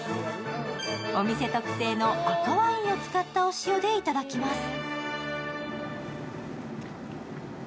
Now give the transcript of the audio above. お店特製の赤ワインを使ったお塩でいただきます。